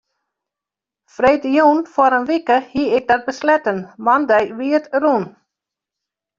Freedtejûn foar in wike hie ik dat besletten, moandei wie it rûn.